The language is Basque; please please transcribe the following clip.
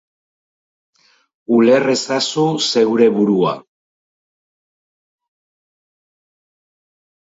Uler ezazu zeure burua.